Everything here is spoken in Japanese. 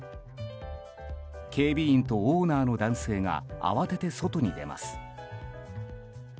警備員とオーナーの男性が慌てて外に出ます。